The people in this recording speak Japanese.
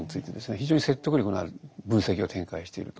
非常に説得力のある分析を展開していると。